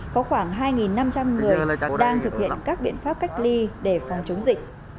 có khoảng hai năm trăm linh người đang thực hiện các biện pháp cách ly để phòng chống dịch